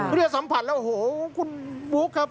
ทุเรียนสัมผัสแล้วฮูคุณบุ๊กครับ